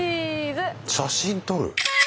写真撮る？